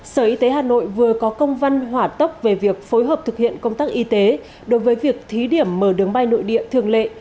sở y tế hà nội vừa có công văn hỏa tốc về việc phối hợp thực hiện công tác y tế đối với việc thí điểm mở đường bay nội địa thường lệ